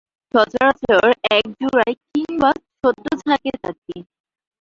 সচরাচর একা, জোড়ায় কিংবা ছোট ঝাঁকে থাকে।